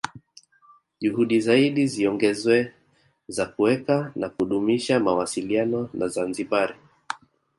Juhudi zaidi ziongezwe za kuweka na kudumisha mawasiliano na Zanzibari